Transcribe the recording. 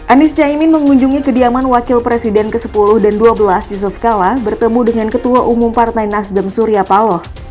anies caimin mengunjungi kediaman wakil presiden ke sepuluh dan ke dua belas yusuf kala bertemu dengan ketua umum partai nasdem surya paloh